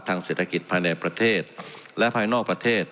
เศรษฐกิจภายในประเทศและภายนอกประเทศ